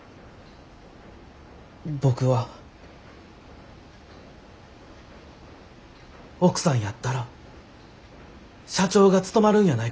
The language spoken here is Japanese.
僕は奥さんやったら社長が務まるんやないかと思います。